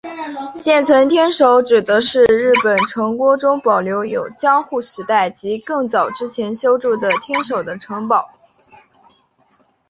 现存天守指的是日本城郭中保留有江户时代及更早之前修筑的天守的城堡。